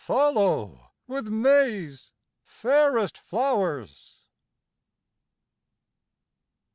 Follow with May's fairest flowers.